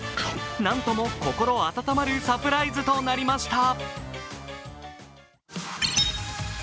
なんとも心温まるサプライズとなりました。